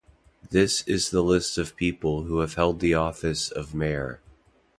This is the list of people who have held the office of Mayor.